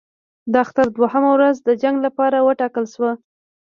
د اختر دوهمه ورځ د جنګ لپاره وټاکل شوه.